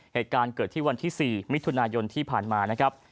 เหตุการณ์เกิดที่วันที่๔มิถุนายนที่ผ่านมานะครับ